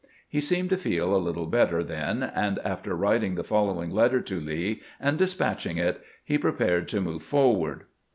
He seemed to feel a little better then, and after writing the following letter to Lee, and despatching it, he prepared to move forward.